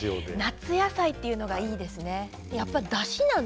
夏野菜というのがいいですね。